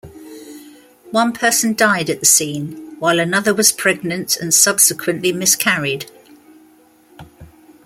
One person died at the scene, while another was pregnant and subsequently miscarried.